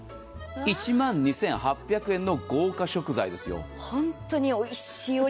１万２８００円の豪華食材ですよ。